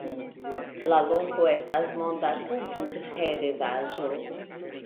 La loko estas monda kulturheredaĵo.